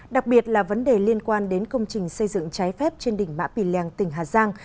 đặc biệt là vấn đề liên quan đến công trình xây dựng trái phép trên đỉnh mã pì lèng tỉnh hà giang